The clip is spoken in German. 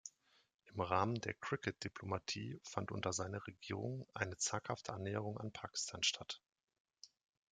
Im Rahmen der Cricket-Diplomatie fand unter seiner Regierung eine zaghafte Annäherung an Pakistan statt.